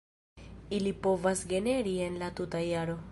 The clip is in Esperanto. Ili povas generi en la tuta jaro.